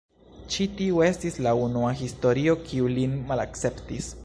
Ĉi tiu estis la unua historio kiu lin malakceptis.